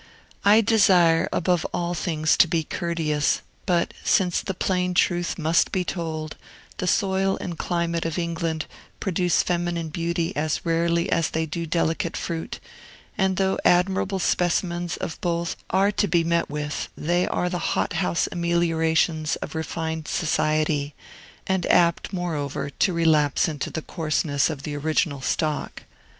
I desire above all things to be courteous; but, since the plain truth must be told, the soil and climate of England produce feminine beauty as rarely as they do delicate fruit, and though admirable specimens of both are to be met with, they are the hot house ameliorations of refined society, and apt, moreover, to relapse into the coarseness of the original stock.